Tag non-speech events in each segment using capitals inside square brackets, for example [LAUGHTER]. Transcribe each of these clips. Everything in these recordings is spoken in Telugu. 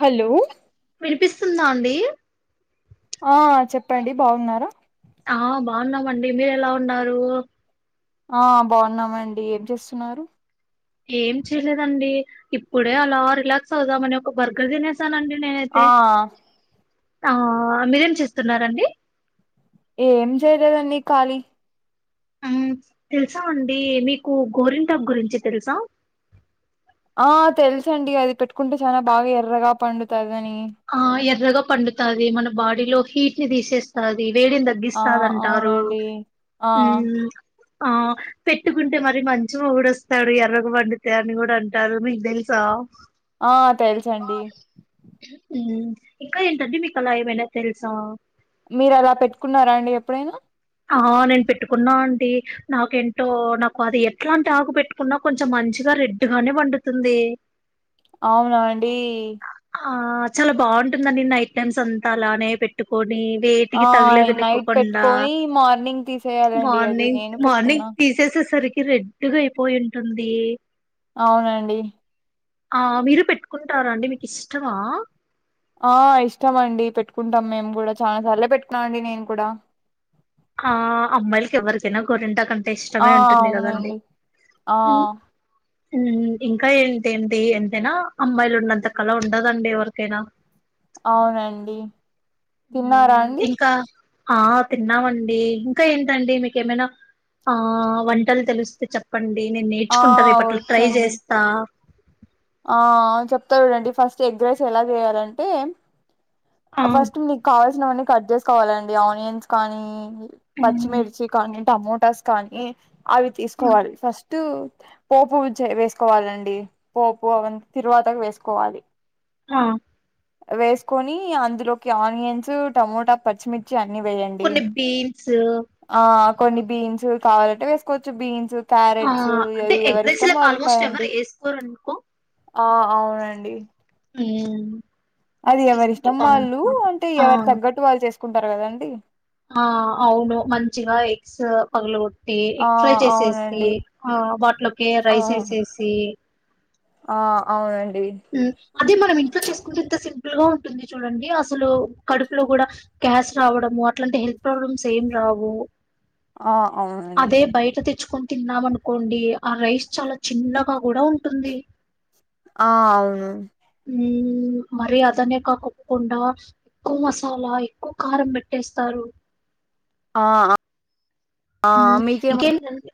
హలో స్తూదాండి. ఆ చెప్పండి బాగున్నారా ఆహ్ బాగున్నామండి. మీరు ఎలా ఉన్నారు. ఆ బాగున్నామండి. ఏం చేసున్నారు. ఏం చేయలేదండి. ఇప్పుడే అలా రిలాక్స్ అవుదామని ఒక బర్గర్ తినేస్ [UNINTELLIGIBLE] నండి ఆ నేనైతే ఆహ్ మీరేం చేస్తున్నారండి. ఏం చేయలేదండి. ఖాళీ మ్మ్ తెలుసా అండి మీకు గోరింటాకు గురించి తెలుసా ఆ తెలుసండి అది పెట్టుకుంటే చానా బాగా ఎర్రగా పండుతాది ఆ ఎర్రగ పండుతాది మన బాడీలో హీట్ని తీసేస్తాది వేడిని ఆ తగ్గిస్తాదంటారు అవునండి ఆ హ్మ్ ఆ పెట్టుకుంటే మరి మంచి మొగుడు వస్తాడు ఎర్రగా పండితే అని కూడా అంటారు. మీకు తెలుసా ఆ తెలుసండి మ్మ్ ఇంకా ఏంటండి మీకు అలా ఏమైనా తెలుసా మీరు అలా పెట్టుకున్నారా అండి ఎప్పుడైనా ఆ నేను పెట్టుకున్నా ఆంటీ నాకెంటో నాకు అది ఎట్లాంటి ఆకు పెట్టుకున్నా కొంచెం మంచిగా రెడ్గానే పండుతుంది అవునా అండి ఆ చాలా బాగుంటుందండి. నైట్ టైమ్స్ అంతా అలానే పెట్టుకొని ఆ వేటికి [UNINTELLIGIBLE] కో నైట్ కుండా పెట్టుకొని మార్నింగ్ తీసేయాలండి అది నేను పెట్టుకున్నా రెడ్గా అయిపోయి ఉంటుంది అవునండి ఆ మీరు పెట్టుకుంటారా అండి మీకు ఇష్టమా ఆ ఇష్టం అండి పెట్టుకుంటాం మేమ్ కూడా చాలా సార్లే పెట్టుకున్నాన్ అండి నేను కూడా ఆ అమ్మాయిలకి ఎవరికైనా గోంటాక్ అం ఆ అవునండి ఆ హ్మ్. హ్మ్ ఇంకా ఏంటిఏంటి ఎంతైనా అమ్మాయిలు ఉన్నంత కలా ఉండదండి ఎవరికైనా అవునండి తిన్నారా హ్మ్ అండి ఇంకా ఆ తిన్నామండి ఇంకా ఏంటండి మీకేమైనా ఆ వంటలు తెలుస్తే చెప్పం డి నేన్ ఆ నేర్చుకుంటా రేపట్లో ట్రై వచ్చండి చేస్తా ఆ చెప్తా చూడండి ఫస్ట్ ఎగ్ రైస్ ఎలా చేయాలంటే ఆ ఫస్ట్ మీక్ కావల్ [UNINTELLIGIBLE] కట్ చేసుకోవాలండి ఆనియన్స్ కానీ మ్మ్. పచ్చిమిర్చి కానీ టమోటాస్ కానీ అవి తీసుకోవాలి ఫస్టు పోపువి చే వేసుకోవాలండి పోపు అవన్ని తీరాబాతకు వేసుకోవాలి ఆ వేసుకొని అందులోకి ఆనియన్సు టమోటా పచ్చిమిర్చి కి అన్ని వేయండి కొన్ని బీన్స్ ఆ కొన్ని బీన్సు కావాలంటే వేసుకోవచ్చు బీన్స్ ఆ క్యారెట్స్ అంటే అది ఎవరి ఎగ్జైస్ ఇష్టం క వాళ్ళు ఆల్మోస్ట్ ఎవరు కదండి వేసుకోరునుకో ఆ అవునండి ఏ అది ఎవరి ఇష్టం వాళ్ళు అంటే ఆ ఎవరి తగ్గట్టు వాళ్ళు చేసుకో కుంటారు కదండి ఆ అవును మంచిగా ఎగ్స్ పగలు కొ ఆ ఎక్ ఫ్రై చేసేసి అవునండి ఆ వాటిలోకి ఆ రైస్ వేసేసి ఆ అవునండి అదే మనం ఇంట్లో చేసుకుంటేంత ల్ గా ఉంటుంది చూడండి అసలు కడుపులో కూడా గ్యాస్ రావడము అట్లాంటి హెల్త్ ప్రాబ్లమ్స్ ఏం రావు ఆ అవునండి అదే బయట తెచ్చుకొని తిన్నామ అనుకోండి ఆ రైస్ చాలా చిన్నగా కూడా ఉంటుంది ఆ అవును ఉ మరి అదనే కాకకుండా ఎక్కువ మసాలా ఎక్కువ కారం పెట్టేస్తారు ఆ ఆ మీకేమండి ఇంకేంటండి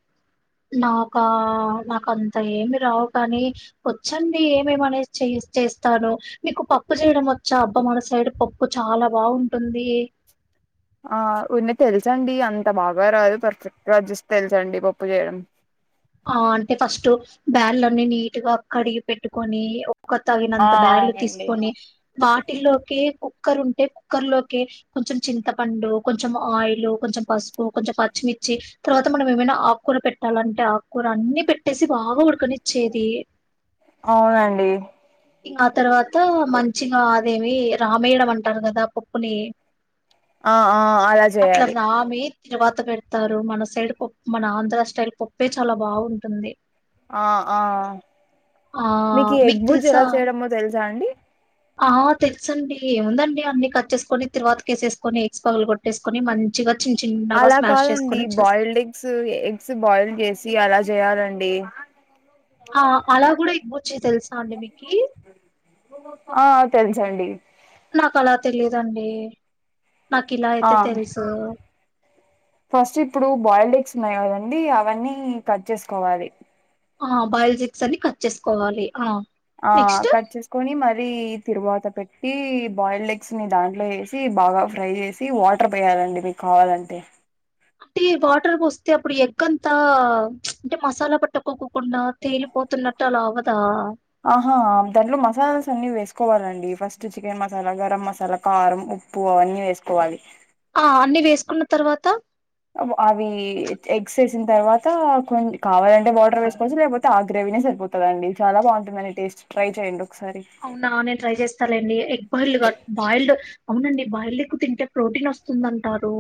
నా ఒక నాక అంత ఏమి రావు కాని వచ్చండి ఏమేమనే చే చేస్తాను మీకు పప్పు చేయడం మొత్తం చాబ్బ మ సైడ్ పప్పు చాలా బాగుంటుంది ఆ ఉన్న తెలుసండి అంత బాగా రాదు పర్ఫెక్ట్ గాజస్ట్ తెలుసండి పప్పు చేయడం ఆ అంటే ఫస్ట్ బ్యాల్న్నిీ నీట్ గా కడిగి పెట్టుకొని ఒక ఆ తాగినంత బ్యార్లు అవునండి తీసుకొని వా ఇట్టిలోకి కుక్కర్ ఉంటే కుక్కర్ లోకి కొంచెం చింతపండు కొంచెం ఆయిల్ కొంచెం పసుపు కొంచెం పచ్చిమిర్చి తర్వాత మనం ఏమైనా ఆకులు పెట్టాలంటేకు కూ అన్ని పెట్టేసి బాగా ఉడుకని ఇచ్చేది అవునండి ఆ తర్వాత మంచిగా ఆదేవి రామాయణ అంటారు కదా పప్పుని ఆ ఆ అలా చేయాలి తరువాత పెడతారు మన సైడ్ పప్పు మన ఆంధ్ర స్టైల్ పప్పే చాలా బాగుంటుంది ఆ ఆ ఆ మీకు ఎబు ఎలా చేయడమో తెలుసా అండి ఆ తెలుసండిముందండి అన్ని కట్ేసుకొని తిరువాతికేసేసుకొని ఎక్స్ పగలు కొట్టేసుకొని మంచిగా చిన్న చిన్నగా అలా స్మాష్ కాదండి చేసుకొని చేస్ బాయిల్డ్ ఎగ్స్ ఎగ్స్ బాయిల్ చేసి ఎలా చేయాలండి ఆ అలా కూడా బుచ్చి తెలుసా అండి మీకి ఆ తెల్సండి నాకు అలా తెలియదండి నాకు ఇలా ఆ అయితే తెలుసు ఫస్ట్ ఇప్పుడు బాయిల్డ్ ఎగ్స్ ఉన్నాయిదండి అవన్నీ కట్ చేసుకోవాలి ఆ బయోజిక్స్ అన్ని కట్ చేసుకోవాలి ఆ ఆ నెక్స్ట్ కట్ చేసుకొని మరి తిరువాత పెట్ ఈ బాయిల్డ్ ఎగ్స్ ని దాంట్లో వేసి బాగా ఫ్రై చేసి వాటర్ వేయాలండి మీకు కావాలంటే అంటే వాటర్ పోస్తే అప్పుడు ఎగ్ అంతా న్చ్ అంటే మసాలా పట్టకొకు కుండా తేలిపోతున్నట్టు అలాఅవ్వదు తా ఆహా దాంట్లో మసాలాస్ అన్ని వేసుకోవాలండి ఫస్ట్ చికెన్ మసాలా, గరం మసాలా, కారం, ఉప్పు అవన్నీ వేసుకోవాలి. ఆ అన్ని వేసుకున్న తర్వాత అవి ఎగ్స్ వేసిన తర్వాత కొం కావాలంటే వాటర్ వేసుకోవచ్చు లేకపోతే ఆ గ్రేవీనేే సరిపోతుందండి చాలా బాగుంటుందని టేస్ట్ ట్రై చేయండు. అవునా నేను ట్రై చేస్తాలేండి ఎగ్ బాయిల్డ్ కాదు బాయిల్డ్ అవునండి బాయిల్డ్ ఎగ్ తింటే ప్రోటీన్ వస్తుందంటారు.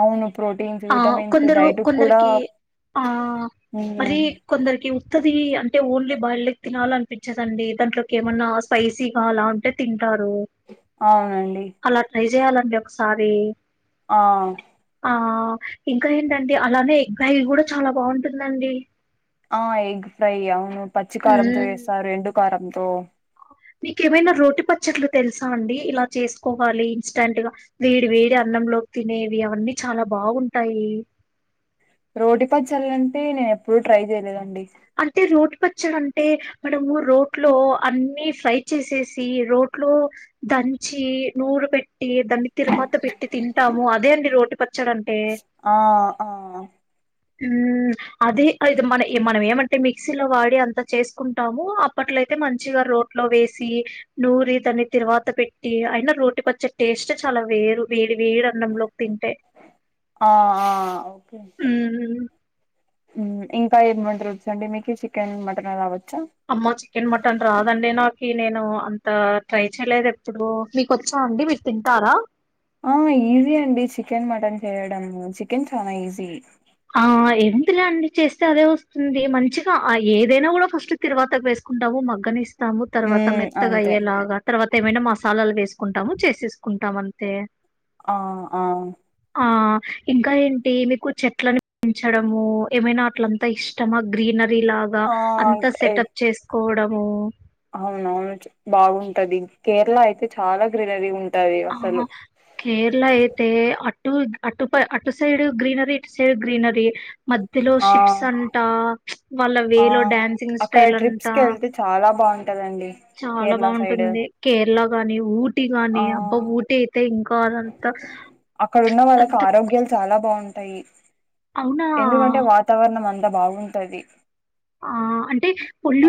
అవును ప్రోటీన్స్, ఆ విటమిన్స్ కొందరు డైట్ కూడా కొందరికి ఆ హ్మ్ మరి కొందరికి ఉత్తది అంటే ఓన్లీ బల్లిక్ తినాలి అనిపించదండి దాంట్లో ఏమన్నా స్పైసీగా అలా ఉంటే తిన్ టారు అవునండి. అలా ట్రై జెయాలండి ఒకసారి ఆ ఆ ఇంకా ఏంటండి అలానే గై కూడా చాలా బాగుంటుందండి. ఆ ఎగ్ ఫ్రై అవును పచ్చికారంతో మ్మ్ వేసావ్ రెండు కారంతో మీకేమైనా రోటి పచ్చట్లు తెలుసా అండి ఇలా చేసుకోవాలి ఇన్స్టంట్ గా వేడి వేడి అన్నంలోకి తినేవి అవన్నీ చాలా బాగుంటాయి రోటి పచ్చళ్లంటే నేను ఎప్పుడూ ట్రై చేయలేదండి అంటే రోటి పచ్చడి అంటే మనము రోట్లో అన్ని ఫ్రై చేసేసి రోట్లో దంచి నూర పెట్టి దాన్ని తిరువాత పెట్టి తింటాము అదే అండి రోటి పచ్చ ఆ ఆ ఉం అది అది మన మనం ఏమంట అంటే మిక్సీలో వాడి అంత చేసుకుంటాము అప్పట్లోయితే మంచిగా రోట్లో వేసి నూరి దాన్ని తరువాత పెట్టి అయినా రోటి పచ్చే టేస్ట్ చాలా వేరు వేడి వేడి అన్నంలోకి తింటే. ఆఆ ఓకే మ్మ్ ఇంకా ఏం వంటల్లోచు అండి మీకు చికెన్ మటన్ రావచ్చు. అమ్మో చికెన్ మటన్ రాదండి నాకు. నేను అంత ట్రై చేయలేదు ఎప్పుడు ఆ ఈజీ అండి చికెన్ మటన్ చేయడము చికెన్ చానా ఈజీ. ఆ ఏంతలేండి చేస్తే అదే వస్తుంది మంచిగా ఆ ఏదైనా కూడా ఫస్ట్ తిరగవాతకు వేసుకుంటావు మగ్గనిస్తా స్తాము తర్వాత హ్మ్. మెత్తగా అంతే. అయ్యే లాగా తర్వాత ఏమైనా మసాలాలు వేసుకుంటాము చేసేసుకుంటాం అంతే ఆ ఆ ఆ ఇంక ఏంటి మీకు చెట్లలను పెన్చడము ఏమైనా అట్లంత ఇష్టమ గ్రీనర లాగా ఆ! అంత ఎ సెటప్ చే కోవడము అవునవును బాగుంటది కేరళ అయితే చాలా గ్రీనరీ ఉంటు ఆ కేరళ ఐతే అటు అటు ప అటు సైడ్ గ్రీనర ఇటు సైడ్ గ్రీనర మధ్యలో ఆ షిప్స్ అంత వాళ్ళ ఆ వేలో డన్సింగ్ అక్కడ స్టైల్ ట్రిప్స్ అంతా కి వెళ్తే చాలా బాగుంటదండి చాలా కేరళ సైడ్ బాగుంటుంది కేరళ గాని ఊటీ ఆ గాని అయితే అదంతా అక్కడ ఉన్న వాళ్ళకి అంత ఆరోగ్యాలు చాలా బాగుంటాయి టయి అవునా! ఎందుకంటే వాతావరణం అంత అంత బాగుంటది ఆ అంటే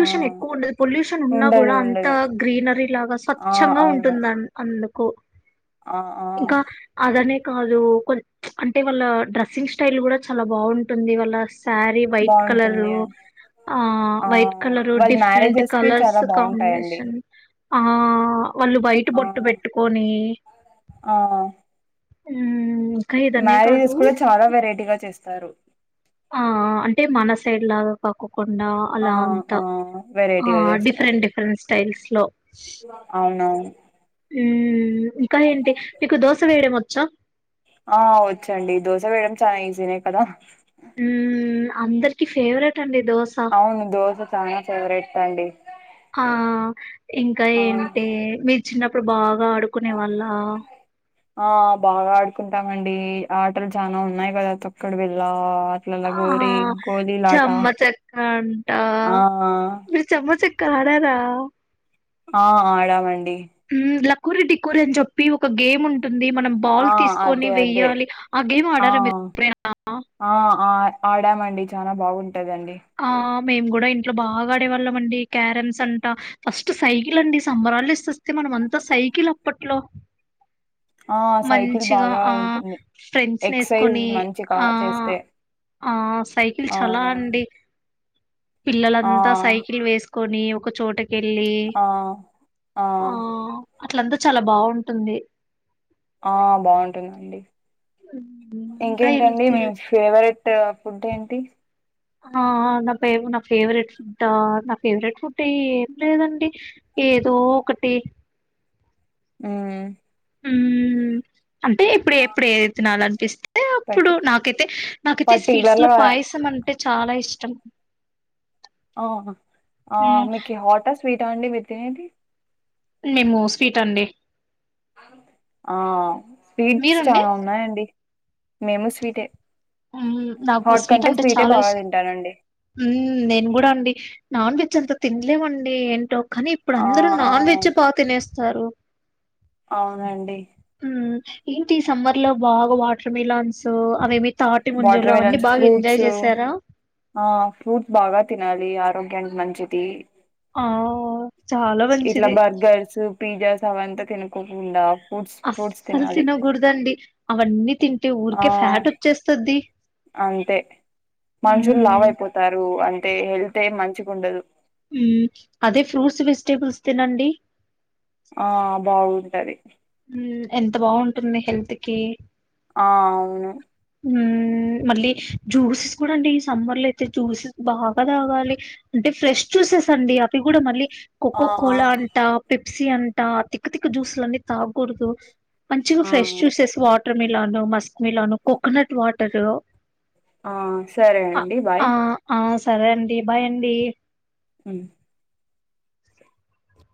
ఆ ఎక్కువ ఉండదు పొల్యూషన్ ఉన్నా ఉండదు కూడా అంత ఉండదు గ్రీనరీ లాగా ఆ స్వచ్ఛంగా అవును ఉంటుంది అందుకు కు ఆ ఆ ఇంకా అదనే కాదు కొ అంటే వాళ్ళ డ్రస్సింగ్ స్టైల్ కూడా చాలా బాగుంటుంది వాళ్ళ సారీ వైట్ బాగుంటుంది కలరు ఆ ఆ వైట్ కలరు వాళ్ళ డిఫరెంట్ మ్యారేజెస్ కి కలర్స్ చాలా బాగుంటాయండి కాంబినేషన్ ఆ వాళ్ళు వైట్ ఆ బొట్టు పెట్టుకొని ఆ హమ్ మ్యారేజెస్ కూడా చాలా వెరైటీ గా చేస్తారు సరు ఆ అంటే మన సైడ్ లాగా కాకు కుండ ఆ అలా అంత ఆ ఆ వెరైటీగా చేస్తారు డిఫరెంట్ డిఫరెంట్ స్టైల్స్ లో అవునవును మ్మ్ చ్చ ఆ వచ్చండి దోశ వేయడం చాలా ఈజీనే కదా హ్మ్మ్ అందరికి ఫేవరెట్ అండి దోశ అవును దోస చ ఫవరెట్ండి ఆ ఇంకా ఏంటిే మీరు చిన్న ఇప్పుడు బాగా ఆడుకునే వాళ్ళ ఆ బాగా ఆడుకుంటామండి ఆటలు చనా ఉన్నాయి కదా త అక్కడ వెళ్ళ ఆ చెమ్మచక్క అంట ఆ మీరు చెమ్మచక్క కడరా ఆ ఆడమండి [INAUDIBLE] కురుటి కోరెం చెప్ప ి ఒక గేమ్ ఉంటుంది మనం బాల్ ఆ తీసుకొని అదే అదే వెయ్యాలి ఆ గేమ్ ఆడారా మీరు ఎప్పుడనా ఆ ఆ ఆడామండి చాలా బాగుంటంది ఉంటదండి ఆ మేము కూడా ఇంట్లో బాగా ఆడేవాళ్ళం అండి క్యారమ్స్ అంట ఫస్ట్ సైకిల్ అండి సంబరాలు ఇస్తేస్తే మనం అంతా సైకిల్ అప్పట్లో ఆ సైకిల్ మంచిగా బాగా ఆ ఉంటుంది ఫ్రెండ్స్ ఎక్ససైజ్ వేసుకొని మంచిగా ఆ చేస్తే ఆ సైకిల్ ఆ చాలా అండి ఆ పిల్లలంతా సైకిల్ వేసు కొని ఒక చోటకి వెళ్ళలి ఆ ఆ అట్లంతా చాలా బాగుంటుంది ఆ బాగుంటుందండి ఇంకా ఏం ఇంకేంటండి తెల్ మేము ఫేవరెట్ ఫుడ్ ఏంటి ఆ నా పే నా ఫేవరెట్ ఫుడ్ నా ఫేవరెట్ ఫుడ్ ఏం లేదండి ఏదో ఒకటి ఆ ఆ అంటే ఇప్పుడు ఎప్పుడు ఏదై తినాల అనిపిస్తే అప్పుడు పట్టి నాకైతే నాకైతే స్వీట్స్ పర్టికులర్ లో గా పాయసం అంటే అంటే చాలా ఇష్టం ఆ హ్మ్ మీకి హటస్ స్వీట్ ఆడి వితేనేది మేము స్ీట్ అండి ఆ స్పీడ్స్ మీరండి చాలా ఉన్నాయంండి మేము స్వీటే నాకు హాట్ స్వీట్ కంటే అంటే స్వీటే చాలా బాగా ఇష్టం తింటానండి నేను కూడా అండి నాన్ విత్ ంత తినలేమండి ఏంటో కానీ ఇప్పుడు ఆ అందరుూ ఆ నాన్ వెజ్ ప పాతతేనేస్త సరువు అవునండి ఉమ్ ఏంటి ఈ సమ్మర్ లో బాగా వాటర్ మిలాన్స్ అవేమి తాటి ముంజలు వాటర్ అవన్నీ మిలన్స్ బాగా ఎంజాయ్ ఫ్రూట్స్ చేసారా ఆ ఫ్రూట్స్ బాగా తినాలి ఆరో గ్యానికి మంచిది ఆ చాలా ఇట్లా మంచిది బర్గర్స్ పిజాస్ అవంత తినకోకుండ అస్సలు తినో గుర్దండి అవన్నీ తింటే ఆ ఊరికే ఫ్యాట్ వచ్చేస్తది అంతే మనుషులు మ్మ్ లావయిపోతారు అం తే హళ్తే ఏం మంచిగుండదు ఊమ్ అదే ఫ్రూట్స్ వెజిటేబుల్స్ తినండి ఆ బాగుంటది ఊమ్ ఎంత బాగుంటుంది హెల్త్ కి ఆ అవును ఉమ్ మళ్ళీ జ్యూసెస్ కూడా అండి ఈ సమ్మర్ లో అయితే జ్యూసెస్ బాగా తాగాలి అంటే ఫ్రెష్ జ్యూసెస్ అండి అవి కూడా మళ్ళీ ఆ కోక్క కోలా అంట పి పప్స అంటా తిక్క తిక్క్క జ్యూస్లన్నీ తాకూడదు మంచిగా ఆ ఫ్రెష్ చూసె వా water melon Musk melon coconut water ఆ సరే ఆ అండి బాయ్ ఆ ఆ, సరే అండి బాయ్ అండి ఉమ్